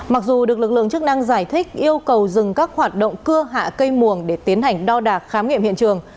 mặc dù được lực lượng chức năng giải thích yêu cầu dừng các hoạt động cưa hạ cây muồng để tiến hành đo đạc khám nghiệm hiện trường